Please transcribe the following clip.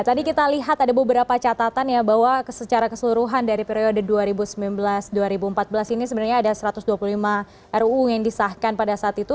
tadi kita lihat ada beberapa catatan ya bahwa secara keseluruhan dari periode dua ribu sembilan belas dua ribu empat belas ini sebenarnya ada satu ratus dua puluh lima ruu yang disahkan pada saat itu